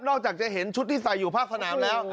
อกจากจะเห็นชุดที่ใส่อยู่ภาคสนามแล้ว